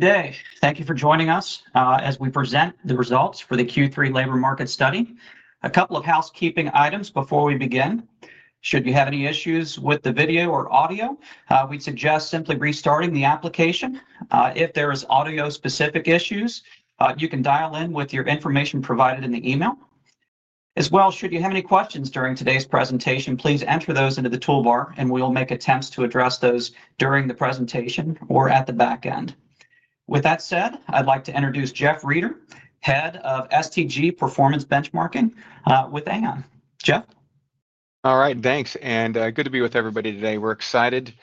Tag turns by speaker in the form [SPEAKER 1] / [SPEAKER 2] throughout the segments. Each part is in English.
[SPEAKER 1] Good day. Thank you for joining us as we present the results for the Q3 labor market study. A couple of housekeeping items before we begin. Should you have any issues with the video or audio, we suggest simply restarting the application. If there are audio specific issues, you can dial in with your information provided in the email as well. Should you have any questions during today's presentation, please enter those into the toolbar and we'll make attempts to address those during the presentation or at the back end. With that said, I'd like to introduce Jeff Rieder, Head of STG Performance Benchmarking.
[SPEAKER 2] All right, thanks and good to be with everybody today. We're excited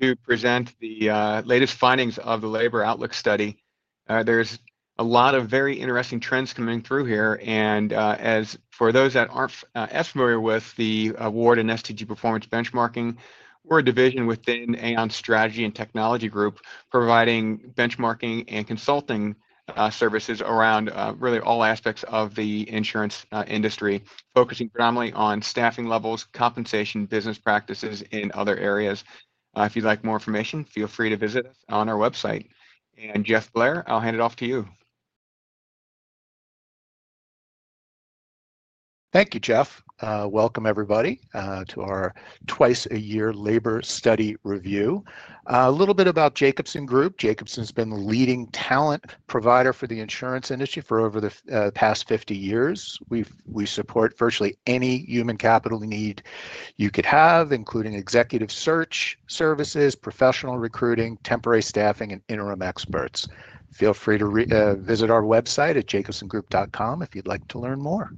[SPEAKER 2] to present the latest findings of the Labor Outlook Study. There's a lot of very interesting trends coming through here and for those that aren't as familiar with the award and STG Performance Benchmarking, we're a division within Aon's Strategy and Technology Group providing benchmarking and consulting services around really all aspects of the insurance industry, focusing on staffing levels, compensation, business practices, and other areas. If you'd like more information, feel free to visit us on our website. Jeff Blair, I'll hand it off to you.
[SPEAKER 3] Thank you, Jeff. Welcome everybody to our twice a year labor study review. A little bit about The Jacobson Group. Jacobson has been the leading talent provider for the insurance industry for over the past 50 years. We support virtually any human capital need you could have, including executive search services, professional recruiting, temporary staffing, and interim experts. Feel free to visit our website at jacobsongroup.com if you'd like to learn more.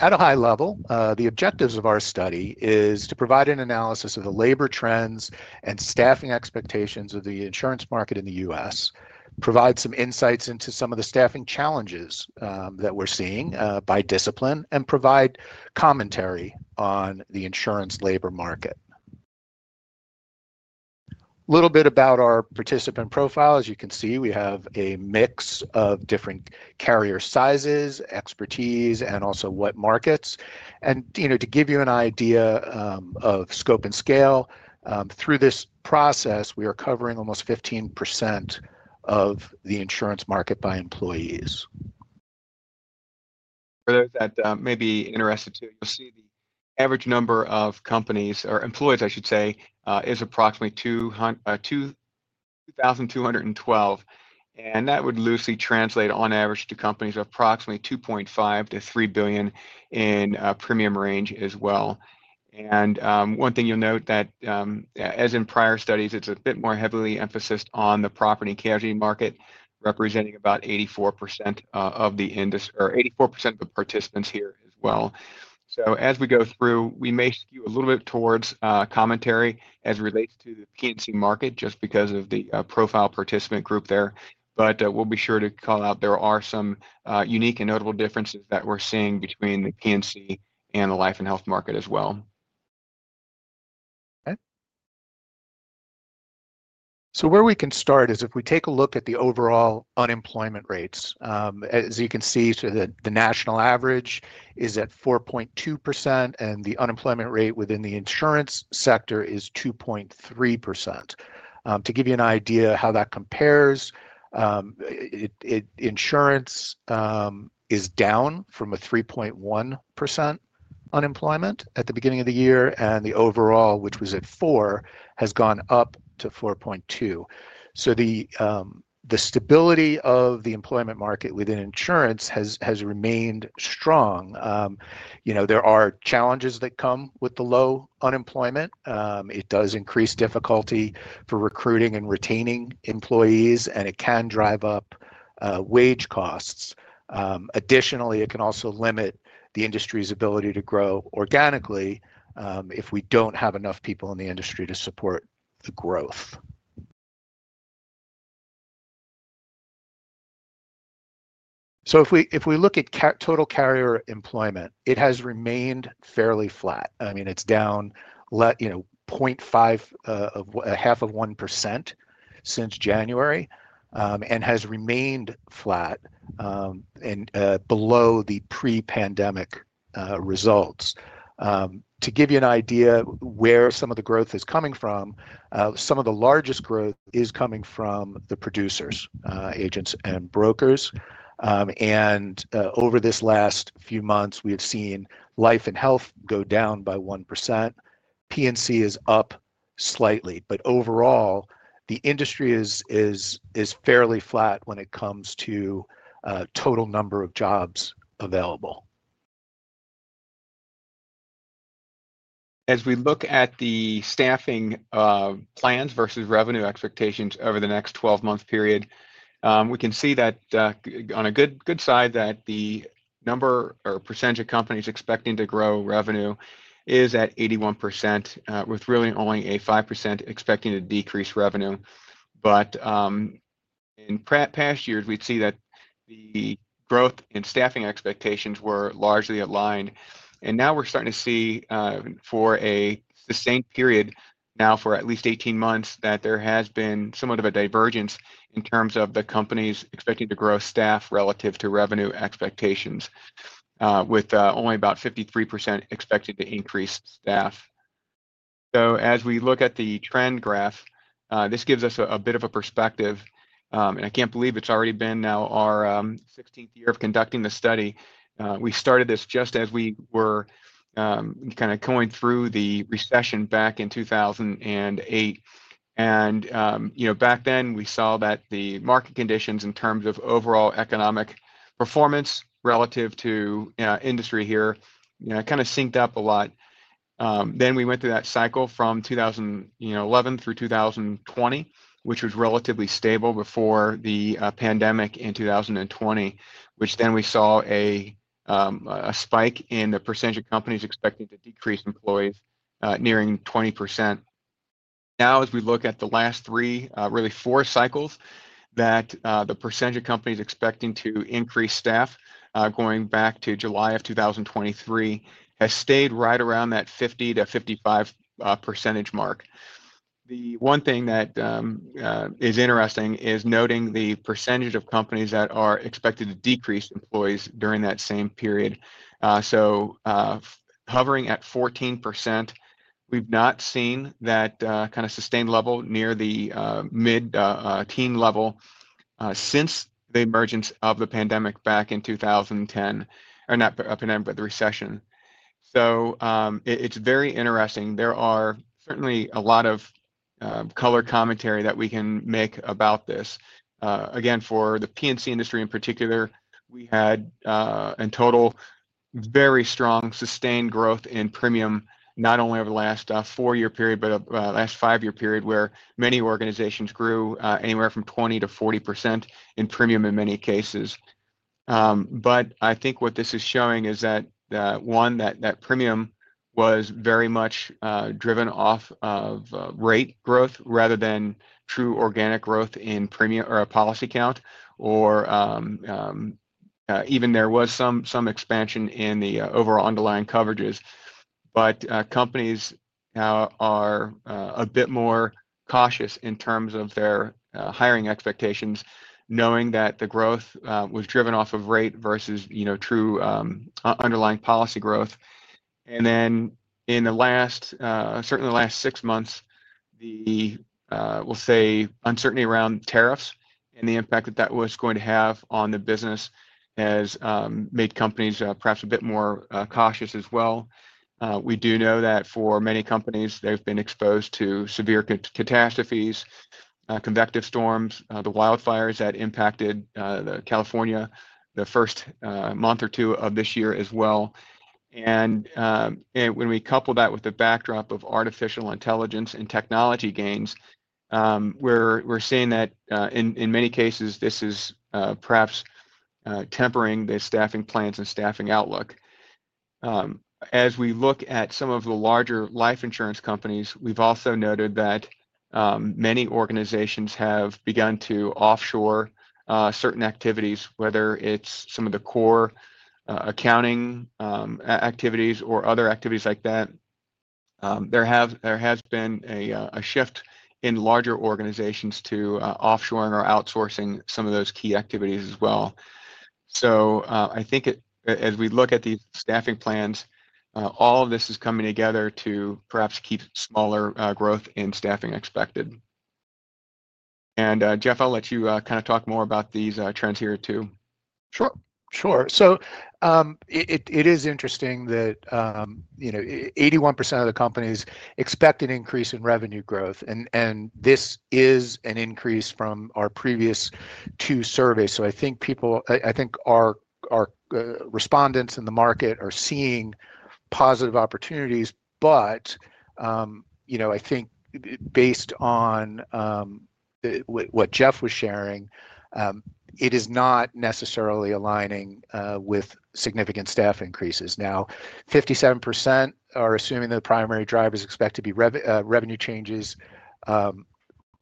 [SPEAKER 3] At a high level, the objectives of our study is to provide an analysis of the labor trends and staffing expectations of the insurance market in the U.S. and provide some insights into some of the staffing challenges that we're seeing by discipline and provide commentary on the insurance labor market. A little bit about our participant profile. As you can see, we have a mix of different carrier sizes, expertise, and also what markets. To give you an idea of scope and scale, through this process, we are covering almost 15% of the insurance market by employees. For those that may be interested too, you'll see the average number of companies or employees, I should say, is approximately 2,212, and that would loosely translate on average to companies approximately $2.5-$3 billion in premium range as well. One thing you'll note is that as in prior studies, it's a bit more heavily emphasis on the property and casualty market, representing about 84% of the participants here as well. As we go through, we may skew a little bit towards commentary as it relates to the property and casualty market just because of the profile participant group there. We'll be sure to call out that there are some unique and notable differences that we're seeing between the property and casualty and the life and health market as well. Where we can start is if we take a look at the overall unemployment rates, as you can see. The national average is at 4.2% and the unemployment rate within the insurance sector is 2.3%. To give you an idea how that compares, insurance is down from a 3.1% unemployment at the beginning of the year and the overall, which was at four, has gone up to 4.2%. The stability of the employment market within insurance has remained strong. There are challenges that come with the low unemployment. It does increase difficulty for recruiting and retaining employees, and it can drive up wage costs. Additionally, it can also limit the industry's ability to grow organically if we don't have enough people in the industry to support the growth. If we look at total carrier employment, it has remained fairly flat. It's down, let you know, 0.5% since January and has remained flat and below the pre-pandemic results. To give you an idea where some of the growth is coming from, some of the largest growth is coming from the producers, agents, and brokers. Over this last few months we have seen life and health go down by 1%. P&C is up slightly, but overall the industry is fairly flat when it comes to total number of jobs available. As we look at the staffing plans versus revenue expectations over the next 12-month period, we can see that on a good side that the number or percentage of companies expecting to grow revenue is at 81% with really only a 5% expecting a decrease in revenue. In past years we'd see that the growth in staffing expectations were largely aligned. Now we're starting to see for the same period, now for at least 18 months, that there has been somewhat of a divergence in terms of the companies expecting to grow staff relative to revenue expectations, with only about 53% expected to increase staff. As we look at the trend graph, this gives us a bit of a perspective and I can't believe it's already been now our 16th year of conducting the study. We started this just as we were kind of going through the recession back in 2008. Back then we saw that the market conditions in terms of overall economic performance relative to industry here, it kind of synced up a lot. We went through that cycle from 2011 through 2020, which was relatively stable before the pandemic in 2020, which then we saw a spike in the percentage of companies expecting to decrease employees nearing 20%. Now as we look at the last three, really four cycles, the percentage of companies expecting to increase staff going back to July of 2023 has stayed right around that 50%-55% mark. The one thing that is interesting is noting the percentage of companies that are expected to decrease employees during that same period, hovering at 14%. We've not seen that kind of sustained level near the mid-teen level since the emergence of the recession back in 2010. It's very interesting. There are certainly a lot of color commentary that we can make about this. Again, for the property and casualty (P&C) industry in particular, we had in total very strong sustained growth in premium, not only over the last four-year period, but last five-year period where many organizations grew anywhere from 20% to 40% in premium in many cases. I think what this is showing is that one, that premium was very much driven off of rate growth rather than true organic growth in premium or a policy count or even there was some expansion in the overall underlying coverages. Companies now are a bit more cautious in terms of their hiring expectations, knowing that the growth was driven off of rate versus, you know, true underlying policy growth. In the last, certainly the last six months, the uncertainty around tariffs and the impact that that was going to have on the business has made companies perhaps a bit more cautious as well. We do know that for many companies they've been exposed to severe catastrophes, convective storms, the wildfires that impacted California the first month or two of this year as well. When we couple that with the backdrop of artificial intelligence and technology gains, we're seeing that in many cases this is perhaps tempering the staffing plans and staffing outlook. As we look at some of the larger life insurance companies, we've also noted that many organizations have begun to offshore certain activities, whether it's some of the core accounting activities or other activities like that. There has been a shift in larger organizations to offshoring or outsourcing some of those key activities as well. I think as we look at the staffing plans, all of this is coming together to perhaps keep smaller growth in staffing expected. Jeff, I'll let you kind of talk more about these trends here too.
[SPEAKER 2] Sure, sure. It is interesting that, you know, 81% of the companies expect an increase in revenue growth and this is an increase from our previous two surveys. I think people, I think our respondents in the market are seeing positive opportunities. You know, I think based on what Jeff was sharing, it is not necessarily aligning with significant staff increases. Now 57% are assuming the primary drive is expected to be revenue changes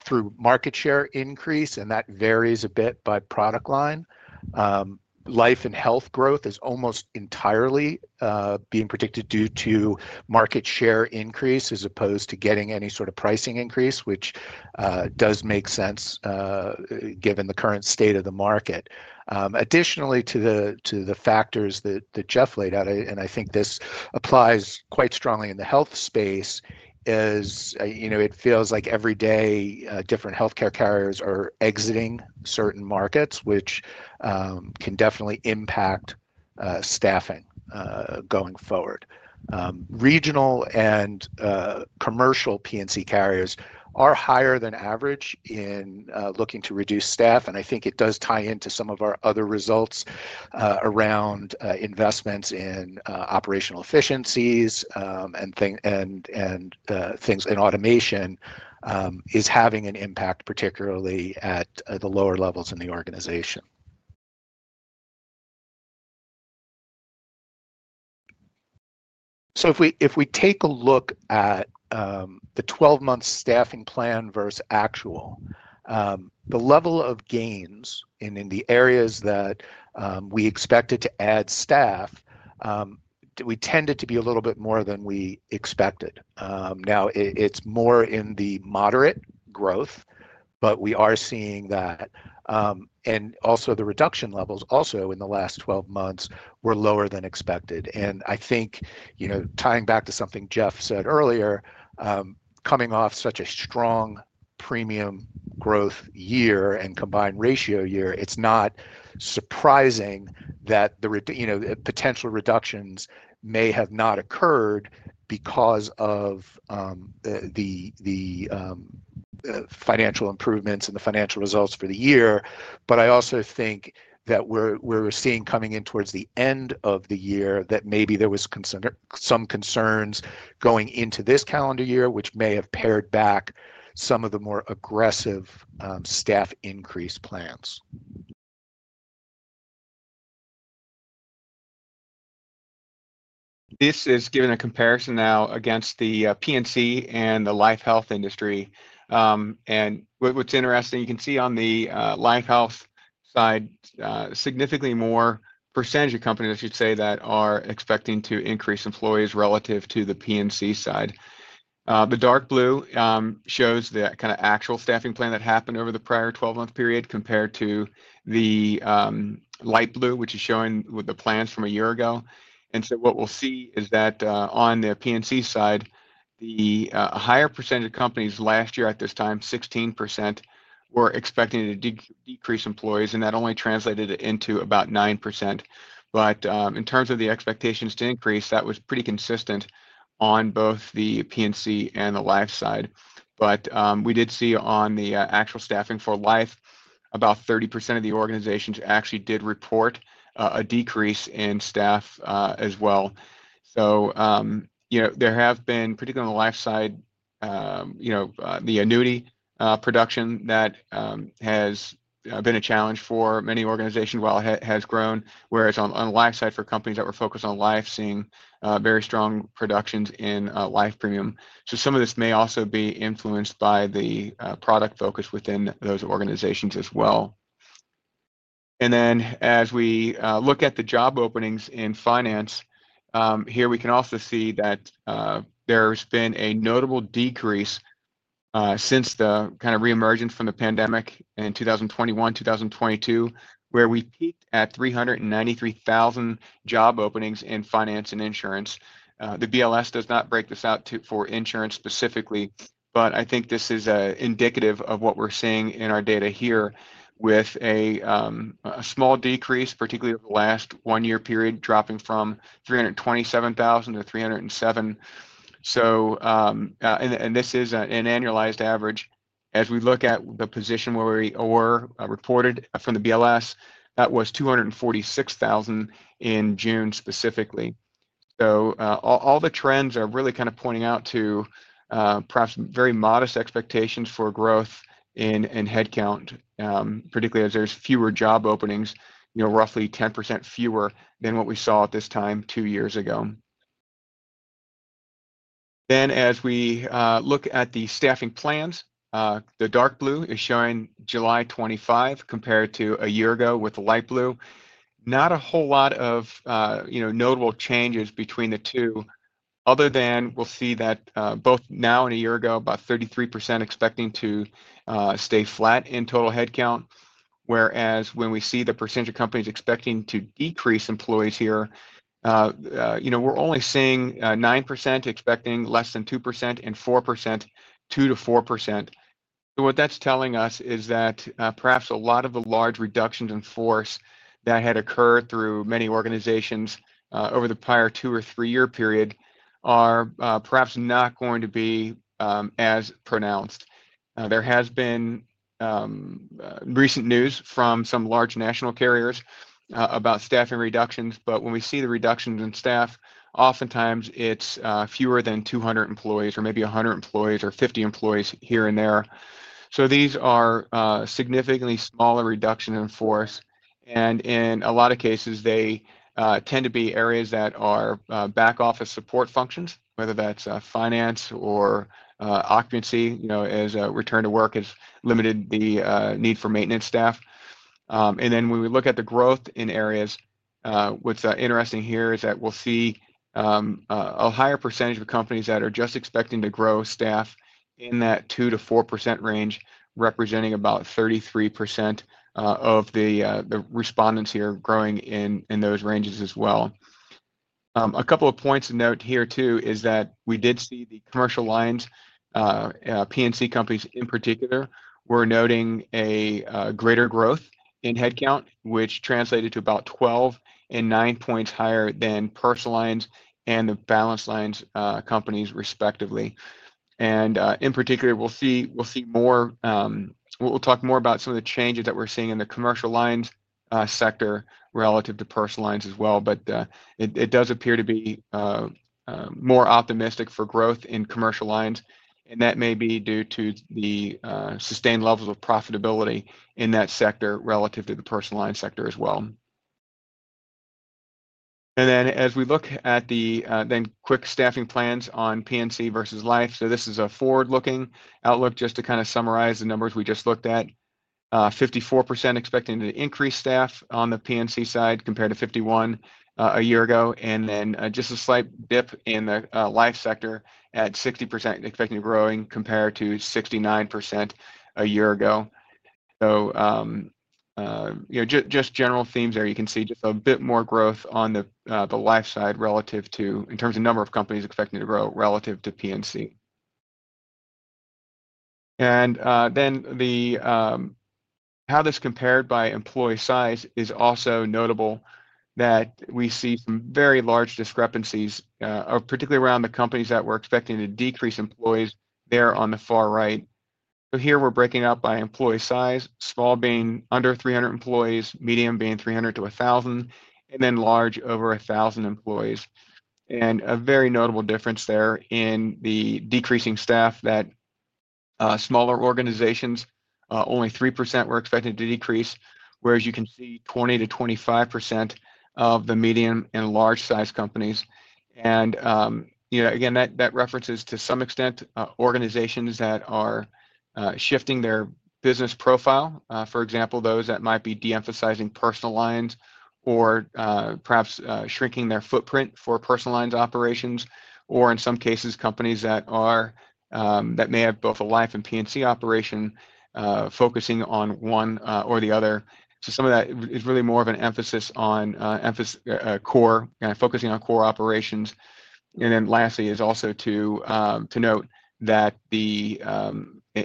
[SPEAKER 2] through market share increase and that varies a bit by product line. Life and health growth is almost entirely being predicted due to market share increase as opposed to getting any sort of pricing increase, which does make sense given the current state of the market. Additionally, to the factors that Jeff laid out, and I think this applies quite strongly in the health space, it feels like every day different health care carriers are exiting certain markets, which can definitely impact staffing going forward. Regional and commercial P&C carriers are higher than average in looking to reduce staff. I think it does tie into some of our other results around investments in operational efficiencies and things in automation is having an impact, particularly at the lower levels in the organization. If we take a look at the 12-month staffing plan versus actual, the level of gains in the areas that we expected to add staff, we tended to be a little bit more than we expected. Now it's more in the moderate growth, but we are seeing that. Also, the reduction levels in the last 12 months were lower than expected. I think tying back to something Jeff said earlier, coming off such a strong premium growth year and combined ratio year, it's not surprising that potential reductions may have not occurred because of the financial improvements and the financial results for the year. I also think that we're seeing coming in towards the end of the year that maybe there was some concerns going into this calendar year which may have pared back some of the more aggressive staff increase plans. This is giving a comparison now against the P&C and the life health industry. What's interesting, you can see on the life health side significantly more percent of companies, I should say, that are expecting to increase employees relative to the P&C side. The dark blue shows the kind of actual staffing plan that happened over the prior 12-month period compared to the light blue, which is showing the plans from a year ago. What we'll see is that on the P&C side, the higher percent of companies last year at this time, 16%, were expecting to decrease employees and that only translated into about 9%. In terms of the expectations to increase, that was pretty consistent on both the P&C and the life side. We did see on the actual staffing for life, about 30% of the organizations actually did report a decrease in staff as well. There have been, particularly on the life side, the annuity production that has been a challenge for many organizations while it has grown. Whereas on the life side for companies that were focused on life, seeing very strong productions in life premium. Some of this may also be influenced by the product focus within those organizations as well. As we look at the job openings in finance here, we can also see that there's been a notable decrease since the kind of reemergence from the pandemic in 2021, 2022, where we peaked at 393,000 job openings in finance and insurance. The BLS does not break this out for insurance specifically, but I think this is indicative of what we're seeing in our data here with a decrease particularly over the last one-year period, dropping from 327,000-307,000. This is an annualized average as we look at the position where we reported from the BLS, that was 246,000 in June specifically. All the trends are really kind of pointing out to perhaps very modest expectations for growth in headcount, particularly as there's fewer job openings, roughly 10% fewer than what we saw at this time two years ago. As we look at the staffing plans, the dark blue is showing July 2025 compared to a year ago with light blue. Not a whole lot of notable changes between the two other than we'll see that both now and a year ago, about 33% expecting to stay flat in total headcount. When we see the % of companies expecting to decrease employees here, we're only seeing 9% expecting less than 2% and 4%, 2-4%. What that's telling us is that perhaps a lot of the large reductions in force that had occurred through many organizations over the prior two or three year period are perhaps not going to be as pronounced. There has been recent news from some large national carriers about staffing reductions. When we see the reductions in staff, oftentimes it's fewer than 200 employees or maybe 100 employees or 50 employees here and there. These are significantly smaller reductions in force. In a lot of cases they tend to be areas that are back office support functions, whether that's Finance or occupancy as return to work has limited the need for maintenance staff. When we look at the growth in areas, what's interesting here is that we'll see a higher percentage of companies that are just expecting to grow staff in that 2%-4% range, representing about 33% of the respondents here growing in those ranges as well. A couple of points to note here too is that we did see the commercial lines, property and casualty (P&C) companies in particular were noting a greater growth in headcount which translated to about 12 and 9 points higher than personal lines and the balance lines companies respectively. In particular, we'll talk more about some of the changes that we're seeing in the commercial lines sector relative to personal lines as well. It does appear to be more optimistic for growth in commercial lines and that may be due to the sustained levels of profitability in that sector relative to the personal lines sector as well. As we look at the quick staffing plans on property and casualty (P&C) versus Life, this is a forward looking outlook. Just to kind of summarize the numbers, we just looked at 54% expecting to increase staff on the property and casualty (P&C) side compared to 51% a year ago and then just a slight dip in the life sector at 60% expecting growing compared to 69% a year ago. You can see just a bit more growth on the life side relative to, in terms of number of companies expecting to grow relative to property and casualty (P&C). How this compared by employee size is also notable. We see some very large discrepancies particularly around the companies that were expecting to decrease employees there on the far right. Here we're breaking up by employee size. Small being under 300 employees, medium being 300-1,000 and then large over 1,000 employees. There is a very notable difference in the decreasing staff, as smaller organizations only 3% were expected to decrease, whereas you can see 20% to 25% of the medium and large sized companies. That references to some extent organizations that are shifting their business profile, for example those that might be deemphasizing personal lines or perhaps shrinking their footprint for personal lines operations, or in some cases companies that may have both a life and property and casualty (P&C) operation focusing on one or the other. Some of that is really more of an emphasis on focusing on core operations. Lastly, it is also to note that the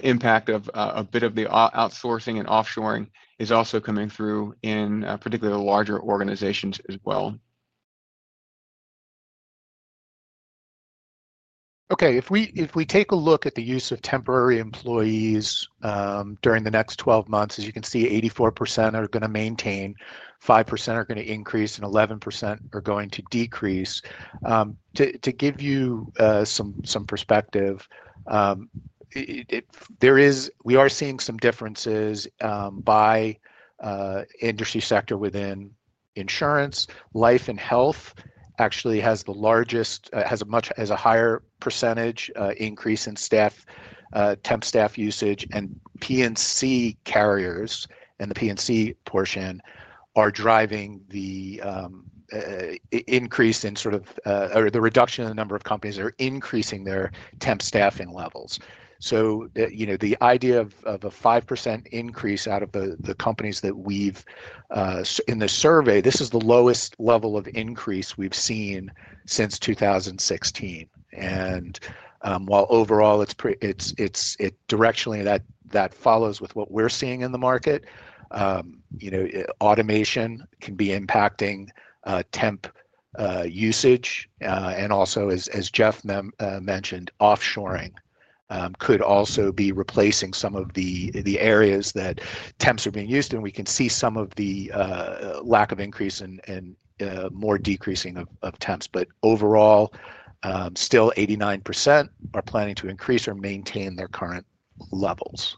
[SPEAKER 2] impact of a bit of the outsourcing and offshoring is also coming through in particular larger organizations as well.
[SPEAKER 3] Okay, if we take a look at the use of temporary employees during the next 12 months, as you can see, 84% are going to maintain, 5% are going to increase, and 11% are going to decrease. To give you some perspective, we are seeing some differences by industry sector within insurance. Life and health actually has the largest, has a much higher percentage increase in temp staff usage, and property and casualty (P&C) carriers and the P&C portion are driving the increase in, or the reduction in, the number of companies increasing their temp staffing levels. The idea of a 5% increase out of the companies that we've in the survey, this is the lowest level of increase we've seen since 2016. While overall, directionally that follows with what we're seeing in the market, automation can be impacting temp usage. Also, as Jeff mentioned, offshoring could also be replacing some of the areas that temps are being used. We can see some of the lack of increase and more decreasing of temps. Overall, still 89% are planning to increase or maintain their current levels.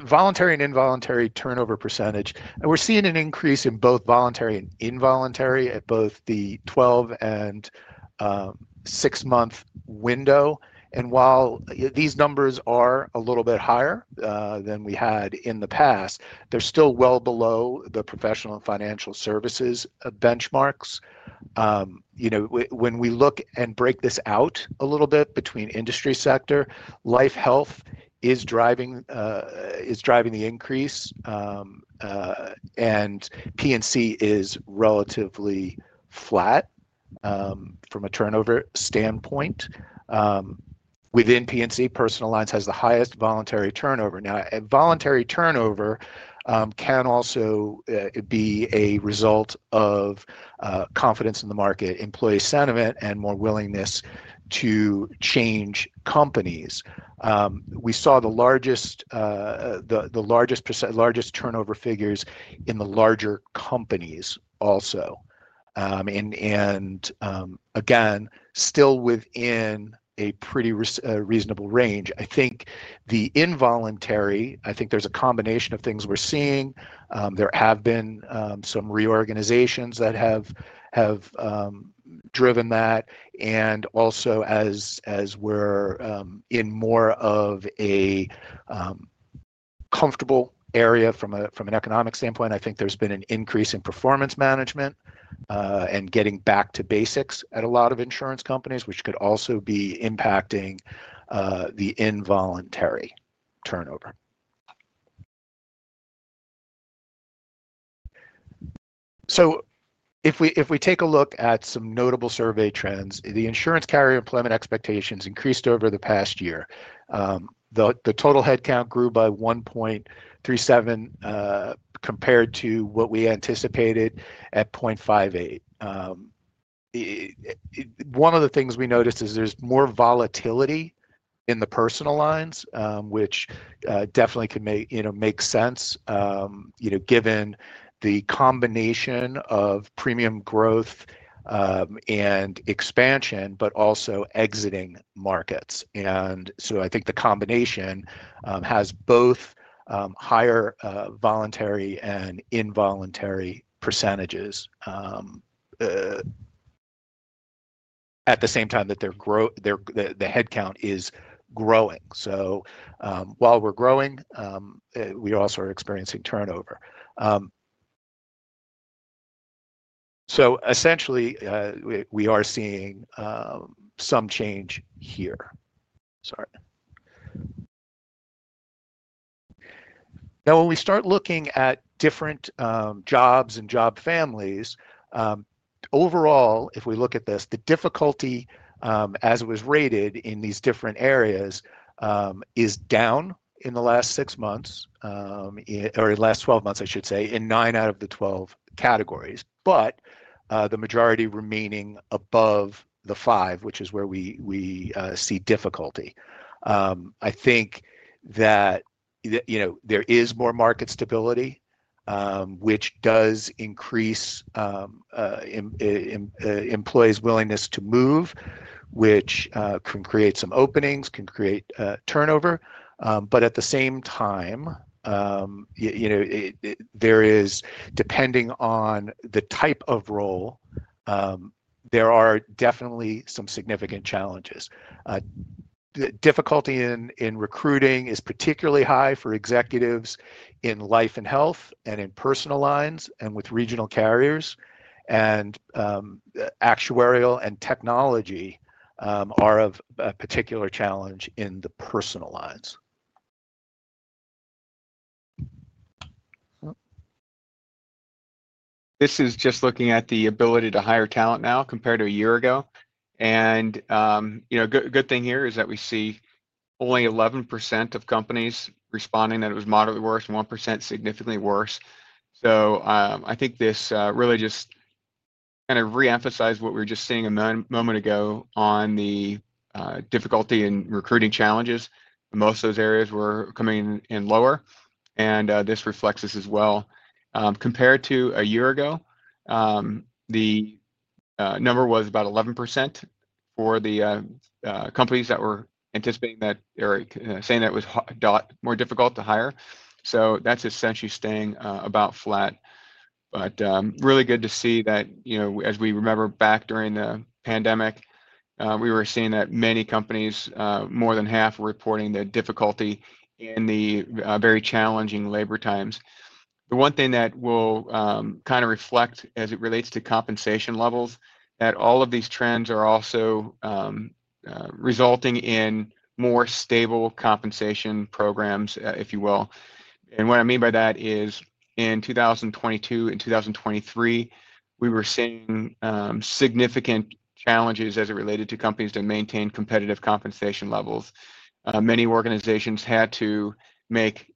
[SPEAKER 3] Voluntary and involuntary turnover percentage, and we're seeing an increase in both voluntary and involuntary at both the 12 and six month window. While these numbers are a little bit higher than we had in the past, they're still well below the professional and financial services benchmarks. You know, when we look and break this out a little bit between industry sector, life and health is driving the increase, and P&C is relatively flat from a turnover standpoint. Within P&C, personal lines has the highest voluntary turnover. Now, voluntary turnover can also be a result of confidence in the market, employee sentiment, and more willingness to change companies. We saw the largest turnover figures in the larger companies also, and again still within a pretty reasonable range. I think the involuntary, I think there's a combination of things we're seeing. There have been some reorganizations that have driven that, and also as we're in more of a comfortable area from an economic standpoint, I think there's been an increase in performance management and getting back to basics at a lot of insurance companies, which could also be impacting the involuntary turnover. If we take a look at some notable survey trends, the insurance carrier employment expectations increased over the past year. The total headcount grew by 1.37 compared to what we anticipated at 0.58. One of the things we noticed is there's more volatility in the personal lines, which definitely can make sense given the combination of premium growth and expansion, but also exiting markets. I think the combination has both higher voluntary and involuntary percentages at the same time that the headcount is growing. While we're growing, we also are experiencing turnover. Essentially, we are seeing some change here. Now, when we start looking at different jobs and job families overall, if we look at this, the difficulty as it was rated in these different areas is down in the last six months, or last 12 months, I should say, in nine out of the 12 categories, but the majority remaining above the five, which is where we see difficulty. I think that there is more market stability, which does increase employees' willingness to move, which can create some openings, can create turnover. At the same time, depending on the type of role, there are definitely some significant challenges. The difficulty in recruiting is particularly high for executives in life and health and in personal lines and with regional carriers. Actuarial and technology are of a particular challenge in the personal lines.
[SPEAKER 2] This is just looking at the ability to hire talent now compared to a year ago. The good thing here is that we see only 11% of companies responding that it was moderately worse and 1% significantly worse. I think this really just kind of reemphasized what we were just seeing a moment ago on the difficulty in recruiting challenges. Most of those areas were coming in lower and this reflects this as well. Compared to a year ago, the number was about 11% for the companies that were anticipating that, saying that was more difficult to hire. That's essentially staying about flat. Really good to see that. As we remember back during the pandemic, we were seeing that many companies, more than half, reporting the difficulty in the very challenging labor times. The one thing that will kind of reflect as it relates to compensation levels is that all of these trends are also resulting in more stable compensation programs, if you will. What I mean by that is in 2022 and 2023 we were seeing significant challenges as it related to companies to maintain competitive compensation levels. Many organizations had to make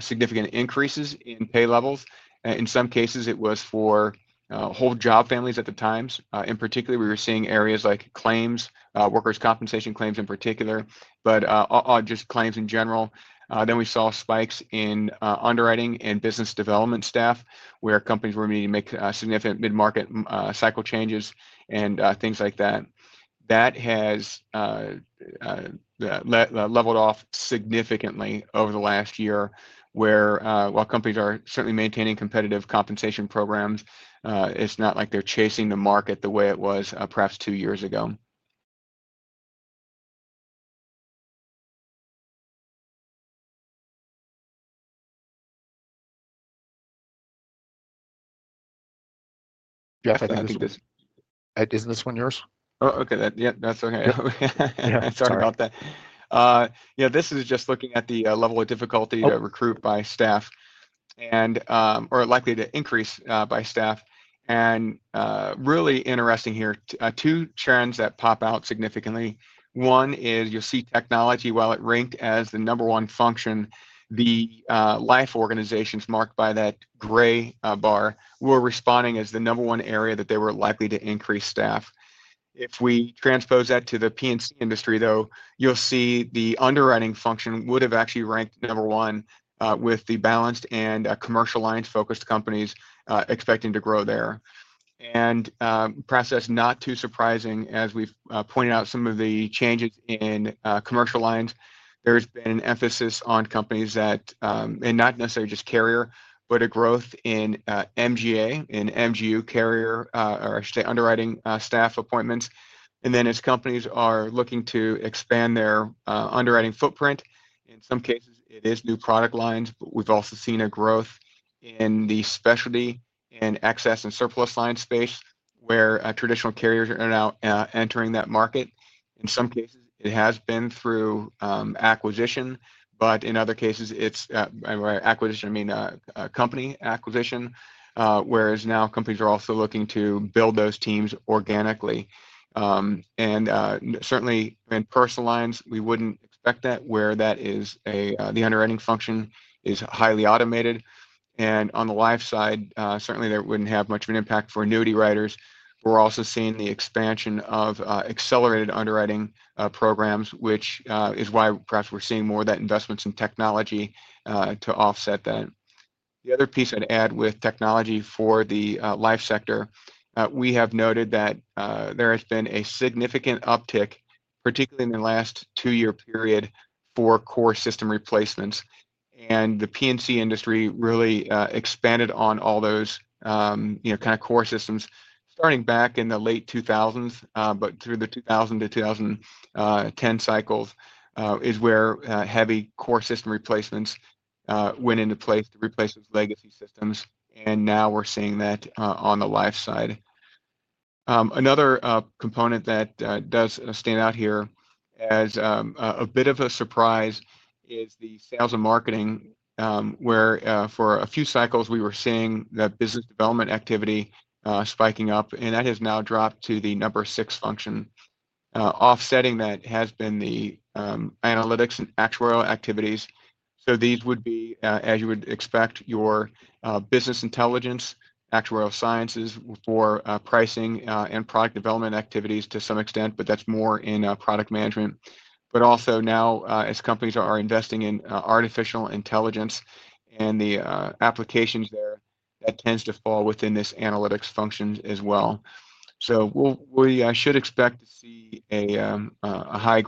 [SPEAKER 2] significant increases in pay levels. In some cases it was for whole job families. At the times in particular we were seeing areas like claims, workers compensation claims in particular, but just claims in general. We saw spikes in underwriting and business development staff where companies were needing to make significant mid market cycle changes and things like that. That has leveled off significantly over the last year where while companies are certainly maintaining competitive compensation programs, it's not like they're chasing the market the way it was perhaps two years ago.
[SPEAKER 3] Jeff, is this one yours?
[SPEAKER 2] Oh, okay. Yeah, that's okay. Sorry about that. Yeah. This is just looking at the level of difficulty to recruit by staff and are likely to increase by staff. Really interesting here, two trends that pop out significantly. One is you'll see technology. While it ranked as the number one function, the life organizations marked by that gray bar were responding as the number one area that they were likely to increase staff. If we transpose that to the P&C industry though, you'll see the underwriting function would have actually ranked number one, with the balanced and commercial lines focused companies expecting to grow there and process. Not too surprising. As we've pointed out, some of the changes in commercial lines, there's been an emphasis on companies that may not necessarily just carrier, but a growth in MGA and MGU carrier, or I should say underwriting staff appointments. As companies are looking to expand their underwriting footprint, in some cases it is new product lines. We've also seen a growth in the specialty and excess and surplus line space where traditional carriers are now entering that market. In some cases it has been through acquisition, but in other cases it's acquisition, I mean company acquisition. Now companies are also looking to build those teams organically, and certainly in personal lines, we wouldn't expect that. Where that is, the underwriting function is highly automated. On the life side, certainly there wouldn't have much of an impact for annuity writers. We're also seeing the expansion of accelerated underwriting programs, which is why perhaps we're seeing more of that investment in technology to offset that. The other piece I'd add, with technology for the life sector, we have noted that there has been a significant uptick, particularly in the last two year period for core system replacements. The P&C industry really expanded on all those core systems starting back in the late 2000s. Through the 2000-2010 cycles is where heavy core system replacements went into place to replace those legacy systems. Now we're seeing that on the life side. Another component that does stand out here as a bit of a surprise is the sales and marketing, where for a few cycles we were seeing that business development activity spiking up and that has now dropped to the number six function. Offsetting that has been the analytics and actuarial activities. These would be, as you would expect, your business intelligence actuarial sciences for pricing and product development activities to some extent, but that's more in product management. Also, now as companies are investing in artificial intelligence and the applications there, that tends to fall within this analytics function as well. We should expect to see a high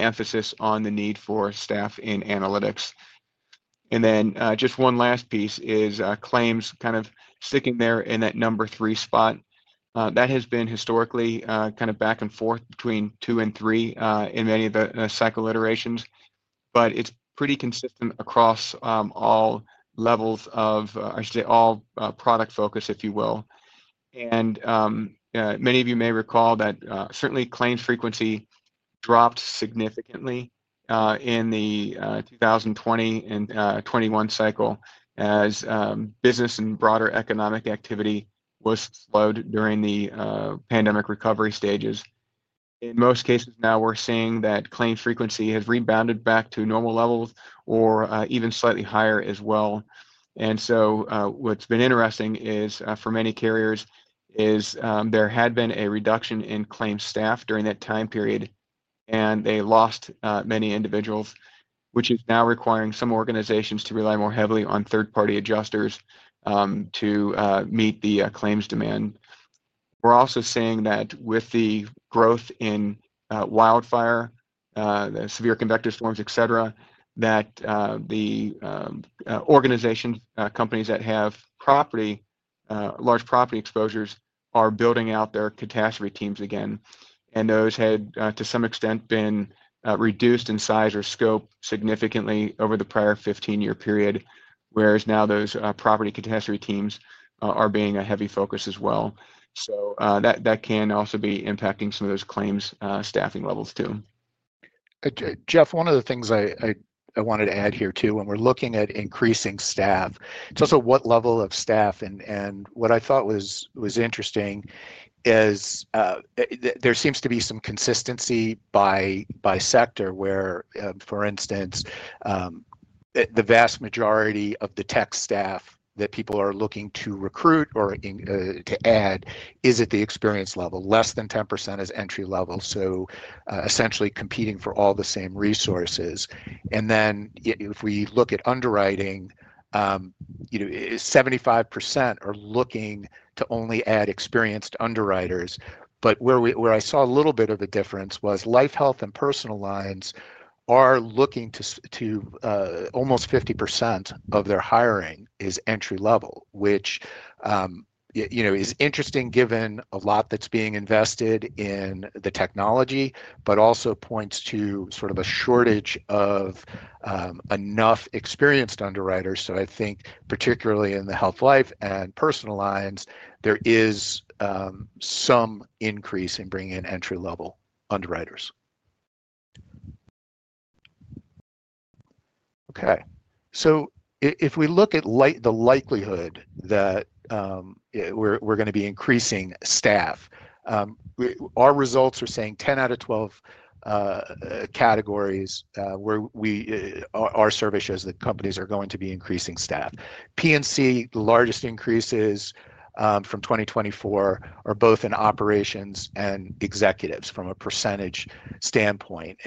[SPEAKER 2] emphasis on the need for staff in analytics. Just one last piece is claims kind of sticking there in that number three spot that has been historically kind of back and forth between two and three in many of the cycle iterations. It's pretty consistent across all levels of, I should say, all product focus, if you will. Many of you may recall that certainly claims frequency dropped significantly in the 2020 and 2021 cycle as business and broader economic activity was slowed during the pandemic recovery stages in most cases. Now we're seeing that claim frequency has rebounded back to normal levels or even slightly higher as well. What's been interesting is for many carriers there had been a reduction in claim staff during that time period and they lost many individuals, which is now requiring some organizations to rely more heavily on third party adjusters to meet the claims demand. We're also seeing that with the growth in wildfire, the severe convective storms, et cetera, the organization companies that have large property exposures are building out their catastrophe teams again and those had to some extent been reduced in size or scope significantly over the prior 15 year period. Now those property catastrophe teams are being a heavy focus as well. That can also be impacting some of those claims staffing levels too.
[SPEAKER 3] One of the things I wanted to add here too, when we're looking at increasing staff, it's also what level of staff, and what I thought was interesting is there seems to be some consist by sector where, for instance, the vast majority of the tech staff that people are looking to recruit or to add is at the experienced level, less than 10% is entry level. Essentially competing for all the same resources. If we look at underwriting, 75% are looking to only add experienced underwriters. Where I saw a little bit of a difference was life, health, and personal lines are looking to almost 50% of their hiring as entry level, which is interesting given a lot that's being invested in the technology, but also points to sort of a shortage of enough experienced underwriters. I think particularly in the health, life, and personal lines there is some increase in bringing in entry level underwriters. If we look at the likelihood that we're going to be increasing staff, our results are saying 10 out of 12 categories where our survey shows that companies are going to be increasing staff. P&C, the largest increases from 2024 are both in operations and executives from a percentage standpoint.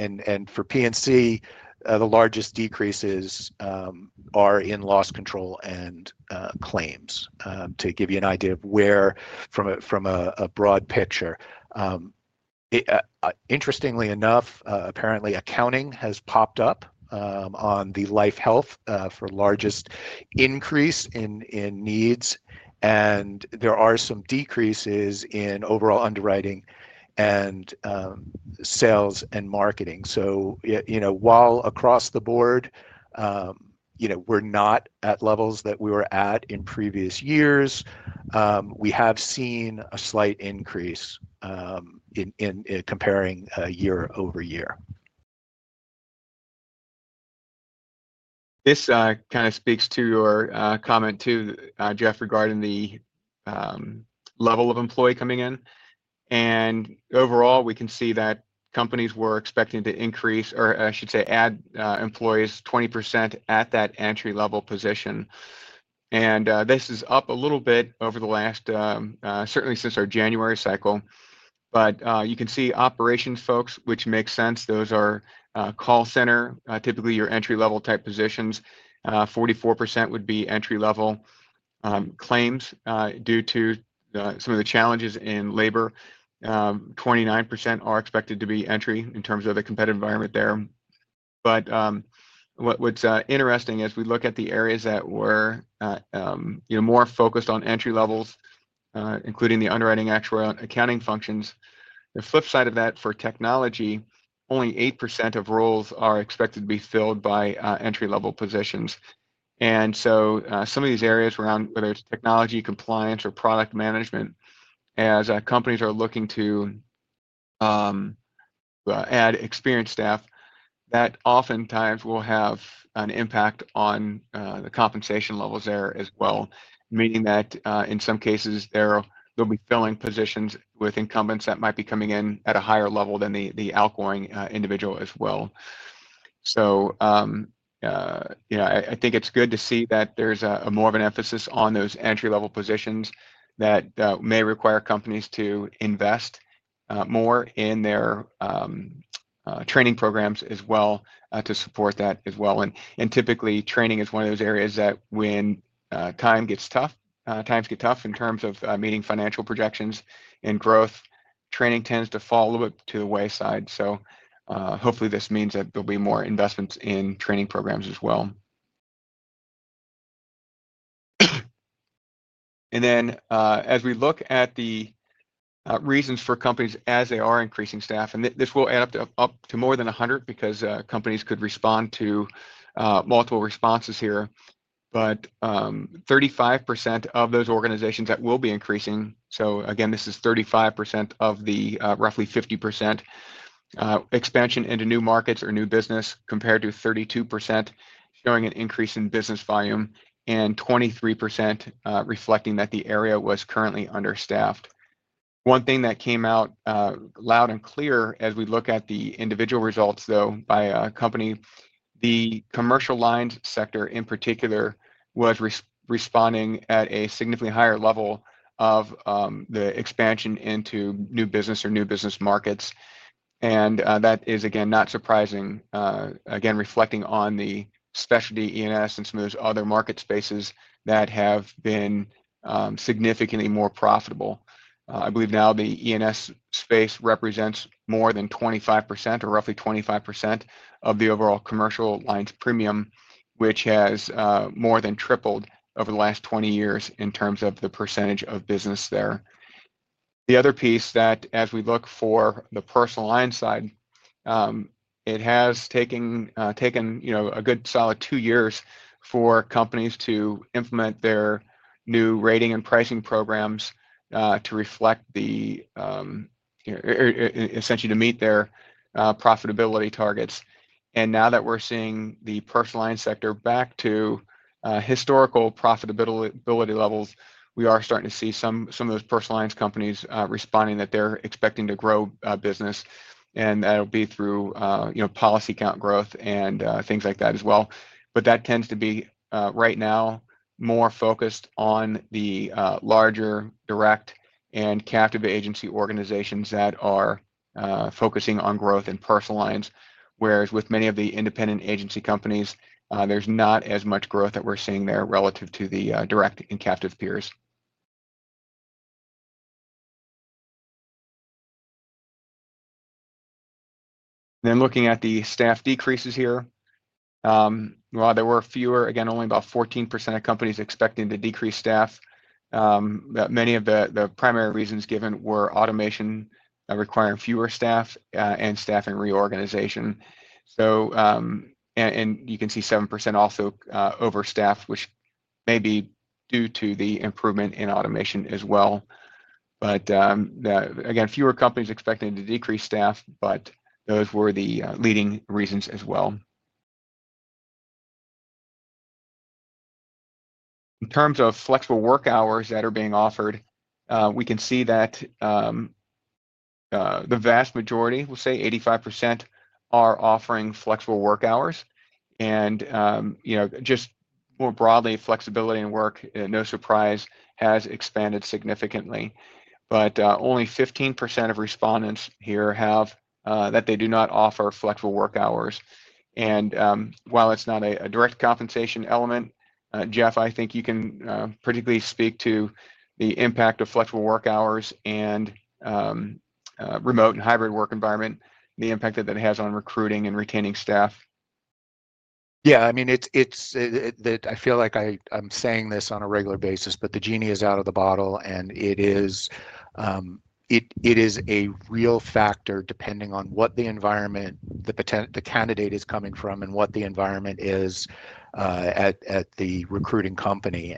[SPEAKER 3] For P&C, the largest decreases are in loss control and claims. To give you an idea of where from a broad picture, interestingly enough, apparently accounting has popped up on the life health for largest increase in needs, and there are some decreases in overall underwriting and sales and marketing. While across the board, we're not at levels that we were at in previous years, we have seen a slight increase in comparing year-over-year.
[SPEAKER 2] This kind of speaks to your comment too, Jeff, regarding the level of employee coming in. Overall, we can see that companies were expecting to increase, or I should say add employees, 20% at that entry level position. This is up a little bit over the last, certainly since our January cycle. You can see operations folks, which makes sense. Those are call center, typically your entry level type positions. 44% would be entry level claims due to some of the challenges in labor. 29% are expected to be entry in terms of the competitive environment there. What's interesting, as we look at the areas that were more focused on entry levels, including the underwriting, actuarial, accounting functions, the flip side of that, for technology, only 8% of roles are expected to be filled by entry level positions. Some of these areas around, whether it's technology, compliance, or product management, as companies are looking to add experienced staff, that oftentimes will have an impact on the compensation levels there as well. Meaning that in some cases there you'll be filling positions with incumbents that might be coming in at a higher level than the outgoing individual as well. I think it's good to see that there's more of an emphasis on those entry level positions that may require companies to invest more in their training programs as well to support that as well. Typically, training is one of those areas that when times get tough in terms of meeting financial projections and growth, training tends to fall a little bit to the wayside. Hopefully, this means that there'll be more investments in training programs as well. As we look at the reasons for companies as they are increasing staff, and this will add up to more than 100% because companies could respond to multiple responses here, 35% of those organizations that will be increasing. Again, this is 35% of the roughly 50% expansion into new markets or new business, compared to 32% showing an increase in business volume and 23% reflecting that the area was currently understaffed. One thing that came out loud and clear as we look at the individual results by a company, the commercial lines sector in particular was responding at a significantly higher level of the expansion into new business or new business markets. That is again, not surprising. Again, reflecting on the specialty E&S and some other market spaces that have been significantly more profitable. I believe now the E&S space represents more than 25% or roughly 25% of the overall commercial lines premium, which has more than tripled over the last 20 years in terms of the percentage of business. There's the other piece that as we look for the personal lines side, it has taken a good solid two years for companies to implement their new rating and pricing programs to reflect the essentially to meet their profitability targets. Now that we're seeing the personal lines sector back to historical profitability levels, we are starting to see some of the first lines companies responding that they're expecting to grow business and that'll be through policy count growth and things like that as well. That tends to be right now more focused on the larger direct and captive agency organizations that are focusing on growth in personal lines. Whereas with many of the independent agency companies, there's not as much growth that we're seeing there relative to the direct and captive peers. Looking at the staff decreases here, while there were fewer, again only about 14% of companies expecting to decrease staff, many of the primary reasons given were automation requiring fewer staff and staffing reorganization. You can see 7% also overstaffed, which may be due to the improvement in automation as well. Again, fewer companies expecting to decrease staff, but those were the leading reasons as well. In terms of flexible work hours that are being offered, we can see that the vast majority, we'll say 85%, are offering flexible work hours and just more broadly, flexibility in work, no surprise, has expanded significantly. Only 15% of respondents here have that they do not offer flexible work hours. While it's not a direct compensation element, Jeff, I think you can particularly speak to the impact of flexible work hours and remote and hybrid work environment, the impact that that has on recruiting and retaining staff.
[SPEAKER 3] Yeah, I mean, I feel like I'm saying this on a regular basis, but the genie is out of the bottle and it is a real factor depending on what the environment the candidate is coming from and what the environment is at the recruiting company.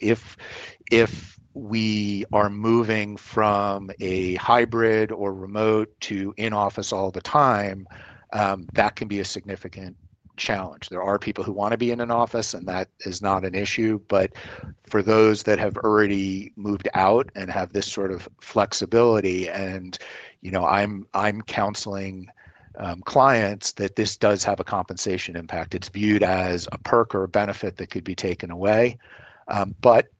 [SPEAKER 3] If we are moving from a hybrid or remote to in office, all can be a significant challenge. There are people who want to be in an office and that is not an issue. For those that have already moved out and have this sort of flexibility, you know, I'm counseling clients that this does have a compensation impact. It's viewed as a perk or a benefit that could be taken away.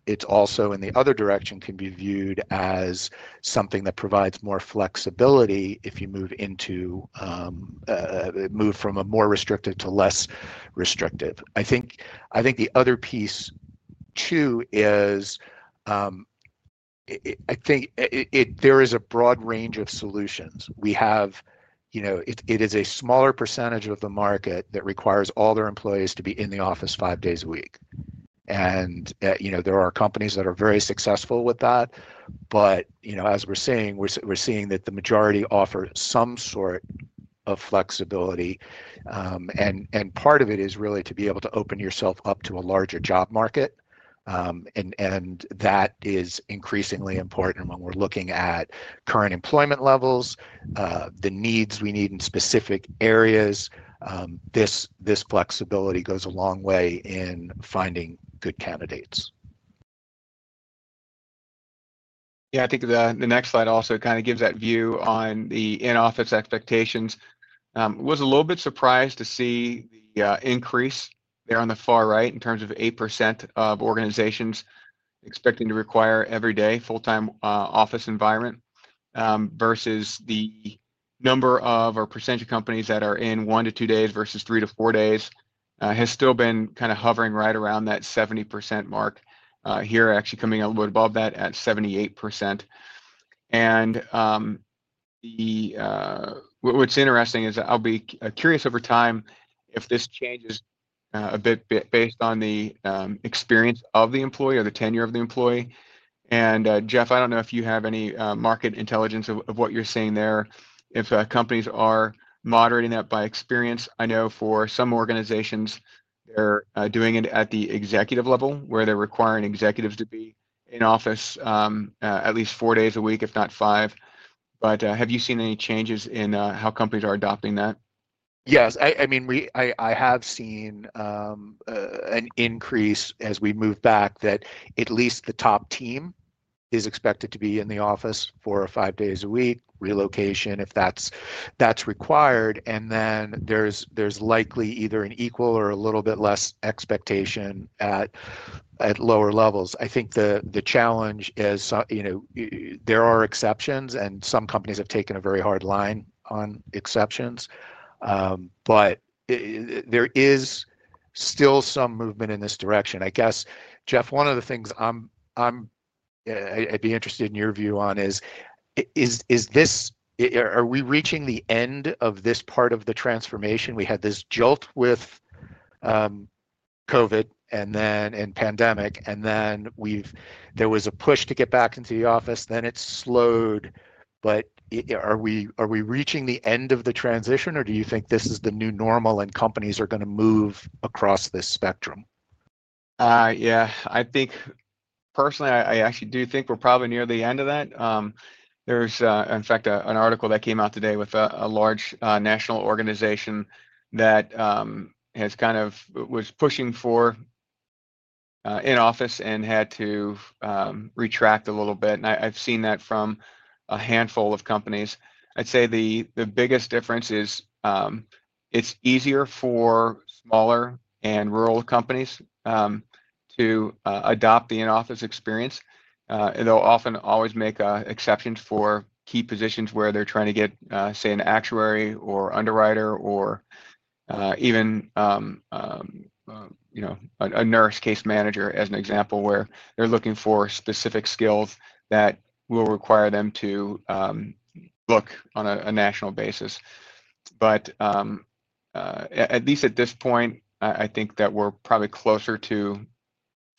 [SPEAKER 3] It's also in the other direction, can be viewed as something that provides more flexibility if you move from a more restrictive to less restrictive. I think the other piece too is, I think there is a broad range of solutions we have. It is a smaller percentage of the market that requires all their employees to be in the office five days a week. There are companies that are very successful with that. As we're saying, we're seeing that the majority offer some sort of flexibility and part of it is really to be able to open yourself up to a larger job market. That is increasingly important when we're looking at current employment levels, the needs we need in specific areas. This flexibility goes a long way in finding good candidates.
[SPEAKER 2] Yeah, I think the next slide also kind of gives that view on the in-office expectations. I was a little bit surprised to see the increase there on the far right in terms of 8% of organizations expecting to require every day full-time office environment versus the number or percent of companies that are in one to two days versus three to four days has still been kind of hovering right around that 70% mark, actually coming a little bit above that at 78%. What's interesting is I'll be curious over time if this changes a bit based on the experience of the employee or the tenure of the employee. Jeff, I don't know if you have any market intelligence of what you're seeing there, if companies are moderating that by experience. I know for some organizations they're doing it at the executive level where they're requiring executives to be in office at least four days a week, if not five. Have you seen any changes in how companies are adopting that?
[SPEAKER 3] Yes, I mean, I have seen an increase as we move back that at least the top team is expected to be in the office four or five days a week, relocation if that's required. There's likely either an equal or a little bit less expectation at lower levels. I think the challenge is, you know, there are exceptions and some companies have taken a very hard line on exceptions, but there is still some movement in this direction, I guess. Jeff, one of the things I'm interested in your view on is, is this, are we reaching the end of this part of the transformation? We had this jolt with COVID and then in pandemic and then there was a push to get back into the office, it slowed. Are we reaching the end of the transition or do you think this is the new normal and companies are going to move across this spectrum?
[SPEAKER 2] Yeah, I think personally I actually do think we're probably near the end of that. There's in fact an article that came out today with a large national organization that was kind of pushing for in office and had to retract a little bit. I've seen that from a handful of companies. I'd say the biggest difference is it's easier for smaller and rural companies to adopt the in office experience. They'll often always make exceptions for key positions where they're trying to get, say, an actuary or underwriter or even. You. Know, a nurse case manager as an example where they're looking for specific skills that will require them to look on a national basis. At least at this point, I think that we're probably closer to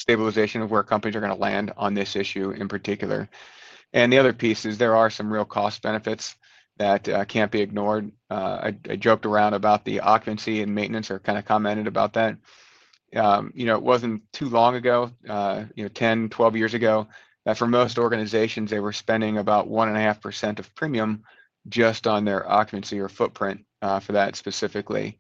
[SPEAKER 2] stabilization of where companies are going to land on this issue in particular. The other piece is there are some real cost benefits that can't be ignored. I joked around about the occupancy and maintenance or kind of commented about that. It wasn't too long ago, you know, 10, 12 years ago, that for most organizations they were spending about 1.5% of premium just on their occupancy or footprint for that specifically.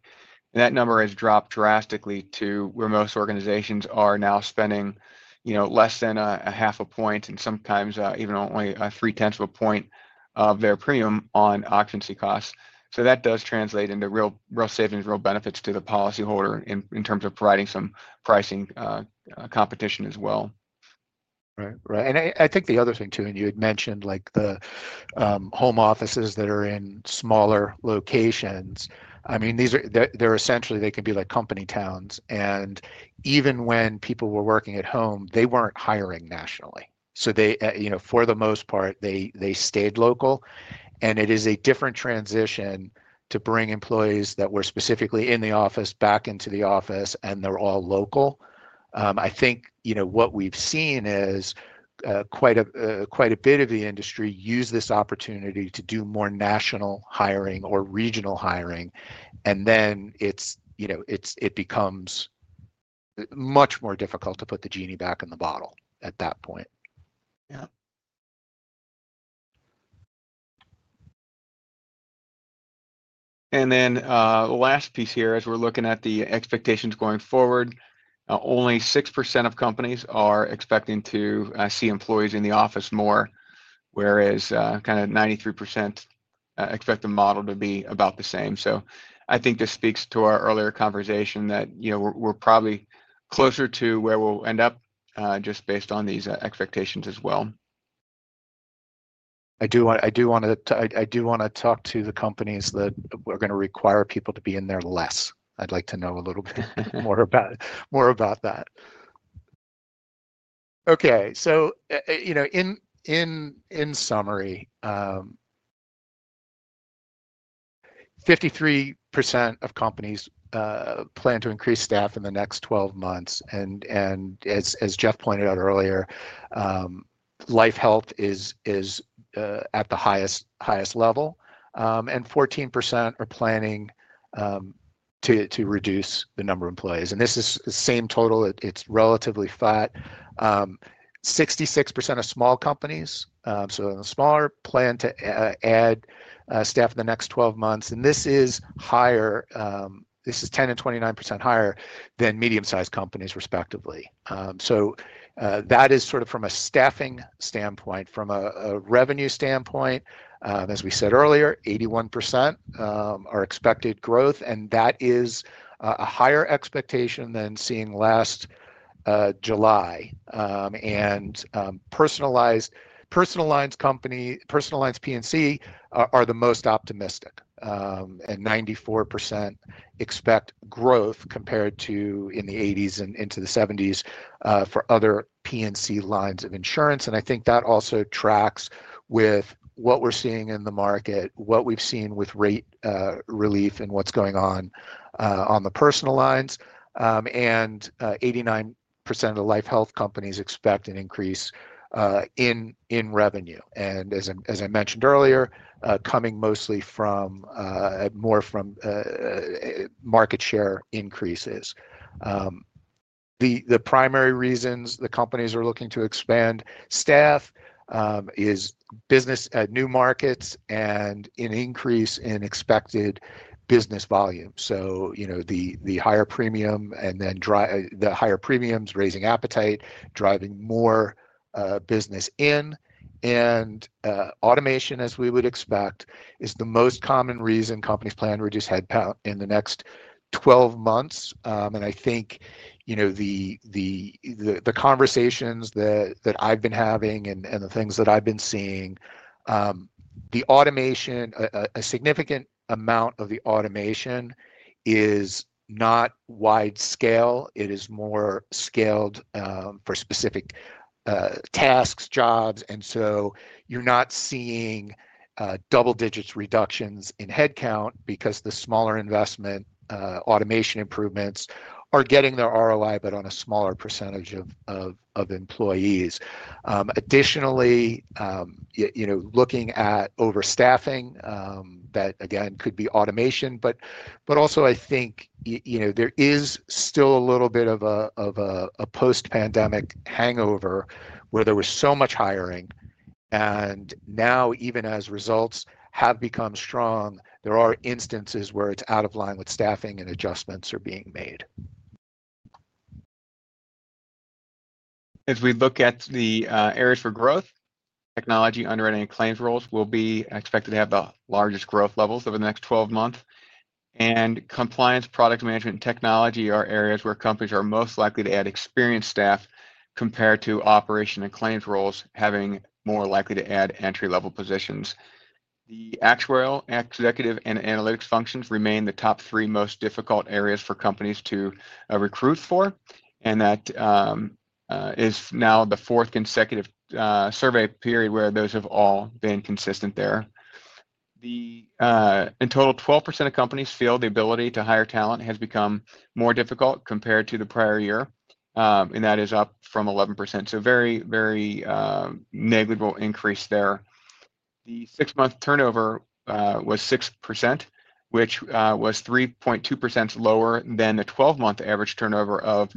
[SPEAKER 2] That number has dropped drastically to where most organizations are now spending less than 0.5% and sometimes even only 0.3% of their premium on occupancy costs. That does translate into real savings, real benefits to the policyholder in terms of providing some pricing competition as well.
[SPEAKER 3] Right. I think the other thing too, you had mentioned the home offices that are in smaller locations. I mean, these are essentially, they can be like company towns, and even when people were working at home, they weren't hiring nationally. For the most part, they stayed local. It is a different transition to bring employees that were specifically in the office back into the office, and they're all local. I think what we've seen is quite a bit of the industry use this opportunity to do more national hiring or regional hiring, and then it becomes much more difficult to put the genie back in the bottle at that point. Yeah.
[SPEAKER 2] The last piece here, as we're looking at the expectations going forward, only 6% of companies are expecting to see employees in the office more, whereas 93% expect the model to be about the same. I think this speaks to our earlier conversation that we're probably closer to where we'll end up just based on these expectations as well.
[SPEAKER 3] I do want to talk to the companies that are going to require people to be in there less. I'd like to know a little bit more about that. Okay, in summary, 53% of companies plan to increase staff in the next 12 months. As Jeff pointed out earlier, life health is at the highest level and 14% are planning to reduce the number of employees. This is the same total, it's relatively flat. 66% of small companies, so smaller, plan to add staff in the next 12 months. This is higher, this is 10% and 29% higher than medium sized companies respectively. That is sort of from a staffing standpoint. From a revenue standpoint, as we said earlier, 81% are expected growth and that is a higher expectation than seen last July. Personal lines, property and casualty (P&C) are the most optimistic and 94% expect growth compared to in the 80s and into the 70s for other P&C lines of insurance. I think that also tracks with what we're seeing in the market, what we've seen with rate relief and what's going on on the personal lines. 89% of the life health companies expect an increase in revenue and as I mentioned earlier, coming mostly more market share increases. The primary reasons the companies are looking to expand staff is business at new markets and an increase in expected business volume. The higher premiums raising appetite, driving more business in and automation, as we would expect, is the most common reason companies plan to reduce headcount in the next 12 months. I think the conversations that I've been having and the things that I've been seeing, the automation, a significant amount of the automation is not wide scale. It is more scaled for specific tasks, jobs. You're not seeing double digits reductions in headcount because the smaller investment automation improvements are getting their ROI but on a smaller percentage of employees. Additionally, looking at overstaffing, that again could be automation but also I think there is still a little bit of a post pandemic hangover where there was so much hiring and now even as results have become strong there are instances where it's out of line with staffing and adjustments are being made.
[SPEAKER 2] As we look at the areas for growth, technology, underwriting, and claims roles will be expected to have the largest growth levels over the next 12 months, and compliance, product management, and technology are areas where companies are most likely to add experienced staff compared to operations and claims roles having more likely to add entry-level positions. The actuarial, executive, and analytics functions remain the top three most difficult areas for companies to recruit for, and that is now the fourth consecutive survey period where those have all been consistent. In total, 12% of companies feel the ability to hire talent has become more difficult compared to the prior year, and that is up from 11%. Very negligible increase there. The six-month turnover was 6%, which was 3.2% lower than the 12-month average turnover of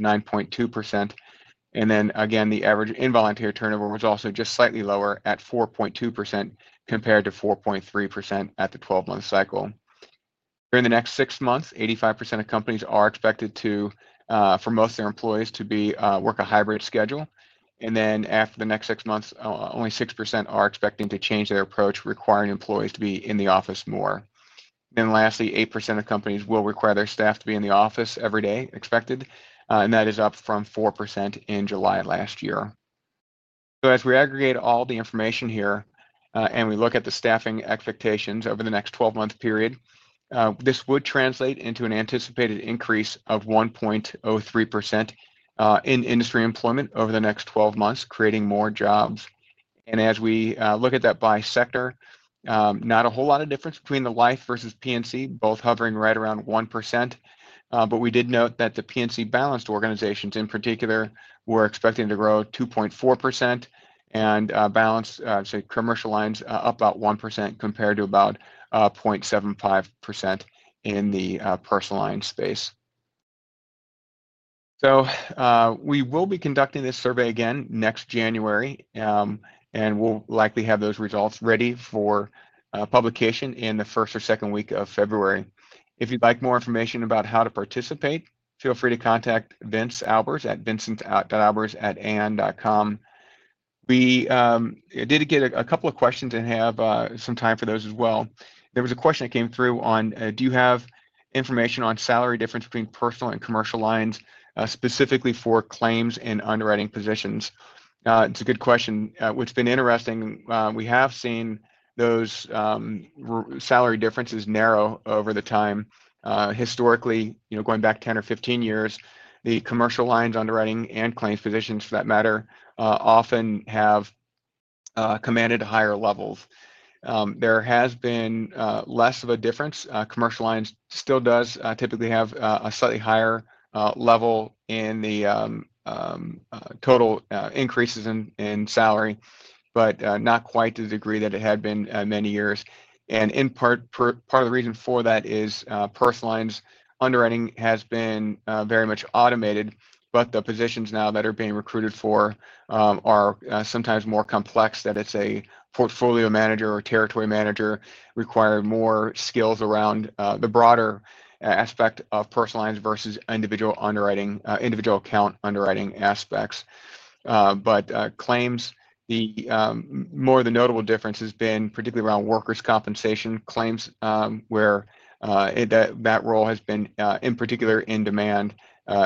[SPEAKER 2] 9.2%. The average involuntary turnover was also just slightly lower at 4.2% compared to 4.3% at the 12-month cycle. During the next six months, 85% of companies are expected for most of their employees to work a hybrid schedule, and after the next six months, only 6% are expecting to change their approach requiring employees to be in the office more. Lastly, 8% of companies will require their staff to be in the office every day, and that is up from 4% in July last year. As we aggregate all the information here and we look at the staffing expectations over the next 12-month period, this would translate into an anticipated increase of 1.03% in industry employment over the next 12 months, creating more jobs. As we look at that by sector, not a whole lot of difference between the life versus P&C, both hovering right around 1%. We did note that the P&C balanced organizations in particular were expecting to grow 2.4% and balanced commercial lines up about 1% compared to about 0.75% in the personal lines space. We will be conducting this survey again next January and will likely have those results ready for publication in the first or second week of February. If you'd like more information about how to participate, feel free to contact vince.albers@vincent.albersann.com. We did get a couple of questions and have some time for those as well. There was a question that came through on do you have information on salary difference between personal and commercial lines specifically for claims and underwriting positions. It's a good question. What's been interesting, we have seen those salary differences narrow over the time historically going back 10 or 15 years. The commercial lines, underwriting and claims positions for that matter often have commanded higher levels. There has been less of a difference. Commercial lines still does typically have a slightly higher level in the total increases in salary, but not quite to the degree that it had been many years. In part, part of the reason for that is personal lines underwriting has been very much automated. The positions now that are being recruited for are sometimes more complex, that it's a portfolio manager or territory manager, require more skills around the broader aspect of personal lines versus individual underwriting, individual account underwriting aspects. Claims, the more notable difference has been particularly around workers compensation claims where that role has been in particular in demand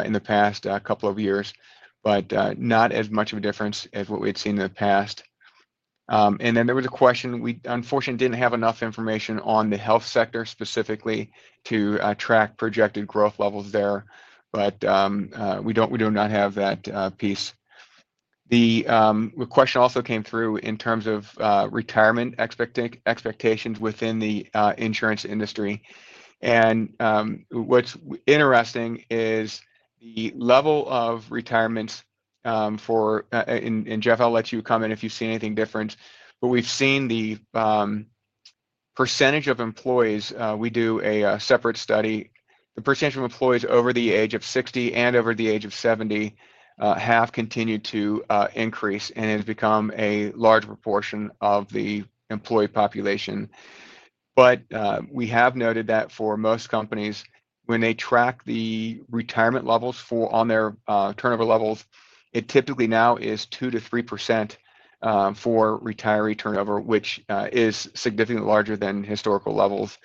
[SPEAKER 2] in the past couple of years, but not as much of a difference as what we had seen in the past. There was a question, we unfortunately didn't have enough information on the health sector specifically to track projected growth levels there. We do not have that piece. The question also came through in terms of retirement expectations within the insurance industry. What's interesting is the level of retirements for, and Jeff, I'll let you come in if you see anything different. We've seen the percentage of employees, we do a separate study. The percentage of employees over the age of 60 and over the age of 70 have continued to increase and has become a large proportion of the employee population. We have noted that for most companies, when they track the retirement levels on their turnover levels, it typically now is 2-3% for retiree turnover, which is significantly larger than historical levels.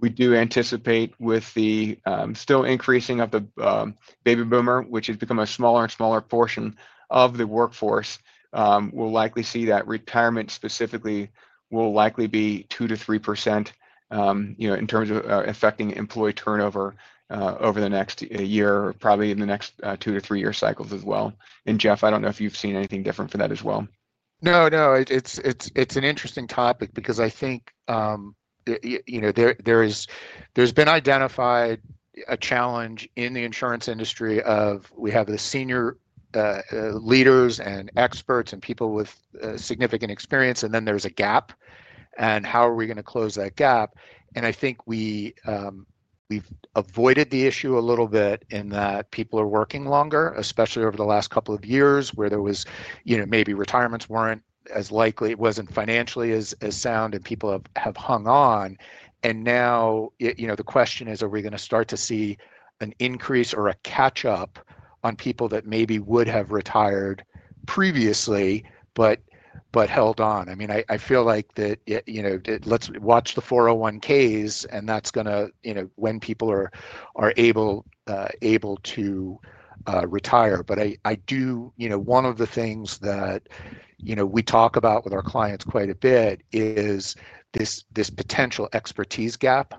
[SPEAKER 2] We do anticipate with the still increasing of the baby boomer, which has become a smaller and smaller portion of the workforce, we'll likely see that retirement specifically will likely be 2-3%. In terms of affecting employee turnover over the next year, probably in the next two to three year cycles as well. Jeff, I don't know if you've seen anything different for that as well.
[SPEAKER 3] No, it's an interesting topic because I think there's been identified a challenge in the insurance industry of we have the senior leaders and experts and people with significant experience and then there's a gap and how are we going to close that gap? I think we've avoided the issue a little bit in that people are working longer, especially over the last couple of years where there was, you know, maybe retirements weren't as likely, it wasn't financially as sound. People have hung on. Now, the question is, are we going to start to see an increase or a catch up on people that maybe would have retired previously but held on? I feel like that, you know, let's watch the 401(k)s and that's going to, you know, when people are able to retire. One of the things that we talk about with our clients quite a bit is this potential expertise gap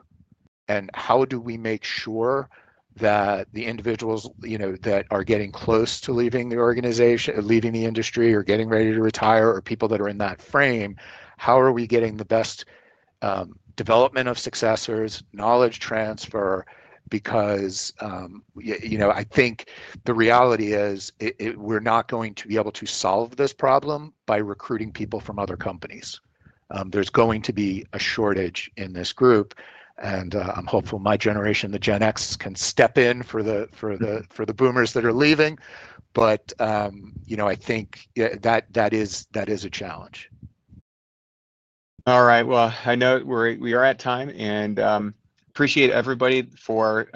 [SPEAKER 3] and how do we make sure that the individuals that are getting close to leaving the organization, leaving the industry or getting ready to retire or people that are in that frame, how are we getting the best development of successors, knowledge transfer? I think the reality is we're not going to be able to solve this problem by recruiting people from other companies. There's going to be a shortage in this group and I'm hopeful my generation, the Gen X, can step in for the boomers that are leaving. I think that is a challenge.
[SPEAKER 2] All right, I know we are at time and appreciate everybody for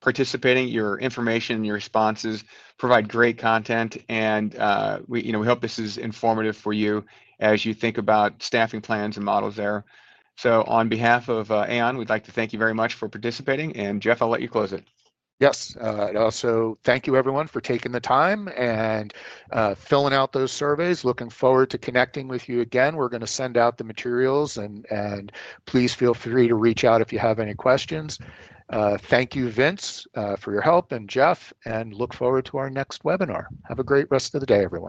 [SPEAKER 2] participating. Your information, your responses provide great content, and we hope this is informative for you as you think about staffing plans and models there. On behalf of Aon, we'd like to thank you very much for participating. Jeff, I'll let you close it.
[SPEAKER 3] Yes. Also, thank you everyone for taking the time and filling out those surveys. Looking forward to connecting with you again. We're going to send out the materials, and please feel free to reach out if you have any questions. Thank you, Vince, for your help and Jeff, and look forward to our next webinar. Have a great rest of the day, everyone.